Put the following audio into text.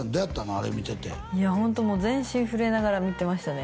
あれ見ててホント全身震えながら見てましたね